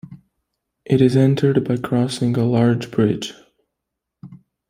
It is entered by crossing a large bridge.